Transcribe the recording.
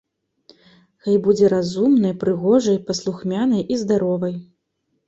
Хай будзе разумнай, прыгожай, паслухмянай і здаровай.